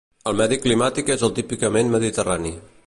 El medi climàtic és el típicament mediterrani.